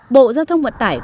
bộ dư thông vận tải